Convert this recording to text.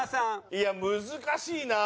いや難しいな。